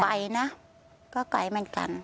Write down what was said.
ไปนะก็ไกลเหมือนกัน